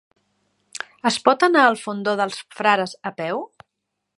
Es pot anar al Fondó dels Frares a peu?